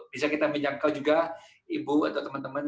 bisa kita menjangkau juga ibu atau teman teman